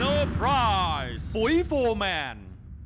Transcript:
นะภัยปุ๋ยโฟแมน